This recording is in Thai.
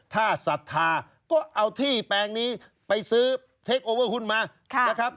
ถ้าศรัทธาก็เอาที่แปลงนี้ไปซื้อเทคโอเวอร์หุ้นมานะครับ